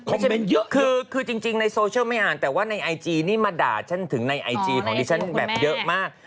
อ่านคือจริงในโซเชียลไม่อ่านแต่ว่าในไอจีนี่มาด่าฉันถึงในไอจีของดิฉันแบบยกมาก